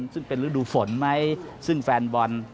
ซึ่งเป็นฤดูฝนไหมซึ่งแฟนบอล